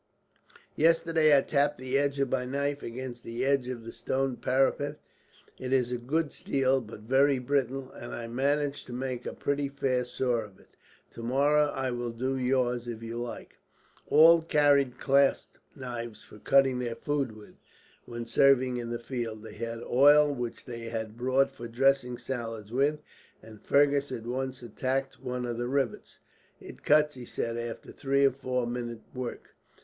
Yesterday I tapped the edge of my knife against the edge of the stone parapet it is good steel, but very brittle and I managed to make a pretty fair saw of it. Tomorrow I will do yours, if you like." All carried clasp knives for cutting their food with, when serving in the field. They had oil which they had bought for dressing salads with, and Fergus at once attacked one of the rivets. "It cuts," he said, after three or four minutes' work.